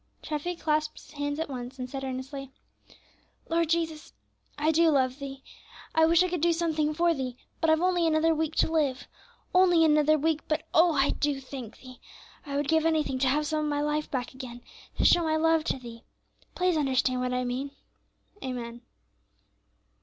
Treffy clasped his hands at once, and said earnestly, "Lord Jesus, I do love Thee; I wish I could do something for Thee, but I've only another week to live, only another week; but, oh! I do thank Thee, I would give anything to have some of my life back again, to show my love to Thee; please understand what I mean. Amen."